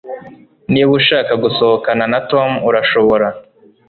Niba ushaka gusohokana na Tom urashobora